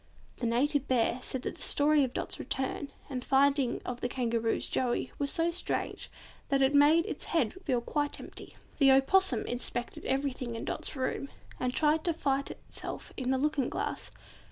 The Native Bear said that the story of Dot's return and the finding of Kangaroo's Joey was so strange that it made its head feel quite empty. The Opossum inspected everything in Dot's room, and tried to fight itself in the looking glass.